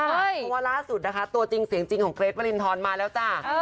เพราะว่าล่าสุดนะคะตัวจริงเสียงจริงของเกรทวรินทรมาแล้วจ้า